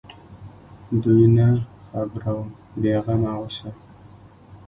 دوى نه خبروم بې غمه اوسه.